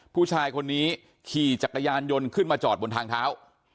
ผู้ชายคนนี้ขี่จักรยานยนต์ขึ้นมาจอดบนทางเท้า